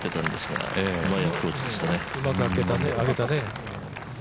うまく上げたね。